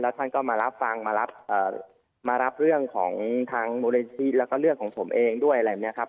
ท่านก็มารับฟังมารับมารับเรื่องของทางมูลนิธิแล้วก็เรื่องของผมเองด้วยอะไรแบบนี้ครับ